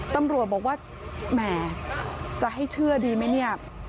ตำรวจบอกว่าแหมจะให้เชื่อดีไหมเนี่ย